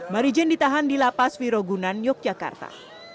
mary jane ditahan di lapas virogunan yogyakarta